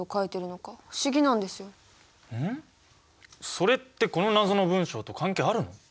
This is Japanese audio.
それってこの謎の文章と関係あるの？